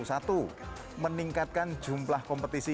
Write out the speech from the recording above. satu meningkatkan jumlah kompetisi